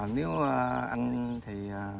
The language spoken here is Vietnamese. nếu anh thì